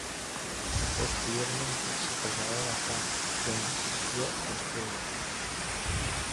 Posteriormente se trasladaron a Frankfurt donde asistió a escuela local.